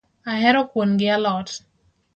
Ahero kuon gi alot